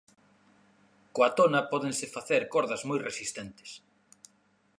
Coa tona pódense facer cordas moi resistentes.